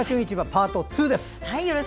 パート２です。